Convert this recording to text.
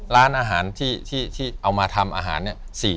ร้านอาหารที่เอามาทำอาหารเนี่ย